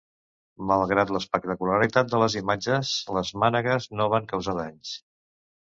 Malgrat l’espectacularitat de les imatges, les mànegues no van causar danys.